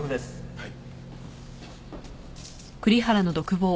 はい。